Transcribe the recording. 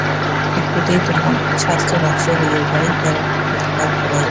একটুকুতেই তোমার স্বাসথ্য নষ্ট হইয়া যায়, ইহার একটা প্রতিকার করা উচিত।